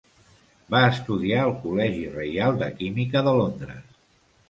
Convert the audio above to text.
Va estudiar al Col·legi Reial de Química de Londres.